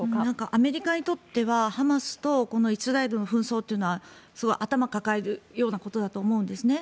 アメリカにとってはハマスとイスラエルの紛争は頭抱えるようなことだと思うんですね。